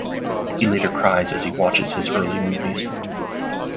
He later cries as he watches his early movies.